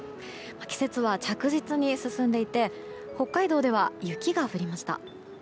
季節は着実に進んでいて北海道では、雪が降りました。